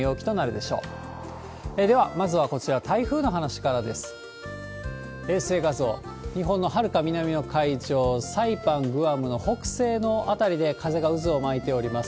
では、まずはこちら、台風の話からです。